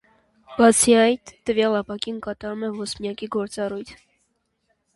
Բացի այդ, տվյալ ապակին կատարում է ոսպնյակի գործառույթ։